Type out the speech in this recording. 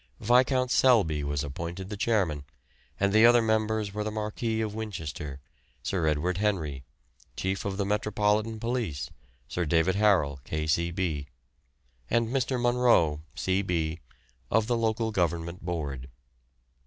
Viscount Selby was appointed the chairman, and the other members were the Marquis of Winchester, Sir Edward Henry, Chief of the Metropolitan Police, Sir David Harrel, K.C.B., and Mr. Munroe, C.B., of the Local Government Board.